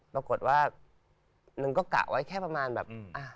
ปรากฏว่าหนึ่งก็กะไว้แค่ประมาณแบบอ่ะ